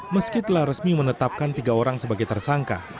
meski telah resmi menetapkan tiga orang sebagai tersangka